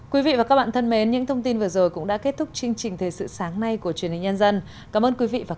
quý vị và các bạn có thể nhớ like và share video này để ủng hộ kênh của chúng tôi cảm ơn các bạn đã theo dõi và hẹn gặp lại